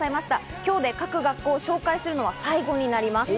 今日で各学校を紹介するのが最後になります。